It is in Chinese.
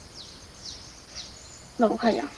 这里也有可萨汗国的宫殿。